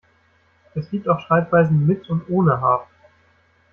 Es gibt auch Schreibweisen mit und ohne H.